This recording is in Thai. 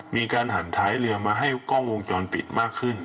มีการหันท้ายเรือมาให้กล้องวงจรปิดมากขึ้น